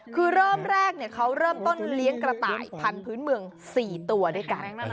คือเริ่มแรกเขาเริ่มต้นเลี้ยงกระต่ายพันธุ์เมือง๔ตัวด้วยกัน